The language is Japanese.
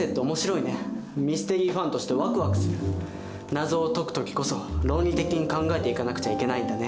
謎を解く時こそ論理的に考えていかなくちゃいけないんだね。